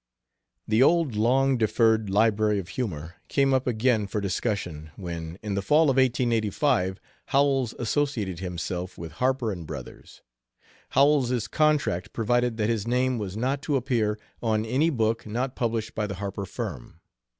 The old long deferred Library of Humor came up again for discussion, when in the fall of 1885 Howells associated himself with Harper & Brothers. Howells's contract provided that his name was not to appear on any book not published by the Harper firm.